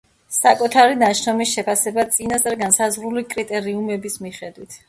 საკუთარი ნაშრომის შეფასება წინასწარ განსაზღვრული კრიტერიუმების მიხედვით.